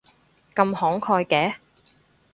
咁慷慨嘅